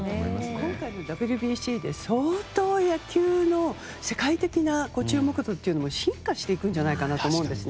今回のＷＢＣで野球の世界的な注目度が進化していくんじゃないかなと思うんですね。